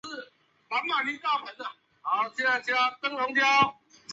黄毛雪山杜鹃为杜鹃花科杜鹃属下的一个变种。